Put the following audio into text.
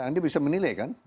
andi bisa menilai kan